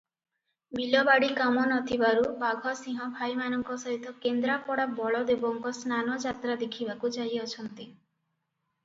ବିଲବାଡ଼ି କାମ ନ ଥିବାରୁ ବାଘସିଂହ ଭାଇମାନଙ୍କ ସହିତ କେନ୍ଦ୍ରାପଡ଼ା ବଳଦେବଙ୍କ ସ୍ନାନ ଯାତ୍ରା ଦେଖିବାକୁ ଯାଇଅଛନ୍ତି ।